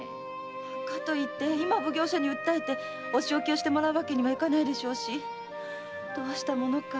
かといって今奉行所に訴えてお仕置きをしてもらうわけにはいかないでしょうしどうしたものか。